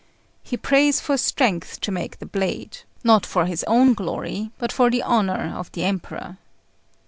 He prays for strength to make the blade, not for his own glory, but for the honour of the Emperor.